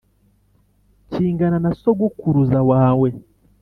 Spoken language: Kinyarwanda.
kingana na sogokuruza wawe”